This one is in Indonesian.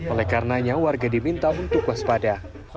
oleh karenanya warga diminta untuk waspada